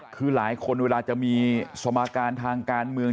คือหลายคนเวลาจะมีสมาการทางการเมือง